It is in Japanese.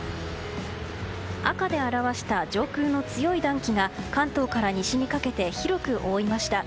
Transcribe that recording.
赤で表した上空の強い暖気が関東から西にかけ広く覆いました。